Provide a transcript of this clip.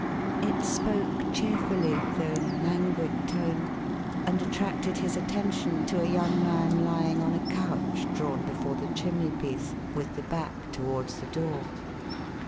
It spoke cheerfully, though in a langui^ tone, and attracted his attention to a young man lying on a couch, drawn before the chimney piece, with the back towards the door.